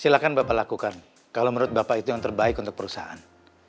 silahkan bapak lakukan kalau menurut bapak itu yang terbaik untuk perusahaan